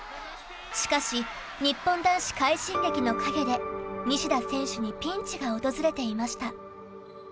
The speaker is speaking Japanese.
しかし、日本男子快進撃の影で西田選手にピンチが訪れていました。